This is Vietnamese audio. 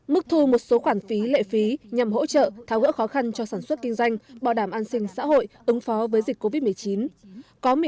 mức thu một số khoản phí lệ phí nhằm hỗ trợ tháo gỡ khó khăn cho sản xuất kinh doanh bảo đảm an sinh xã hội ứng phó với dịch covid một mươi chín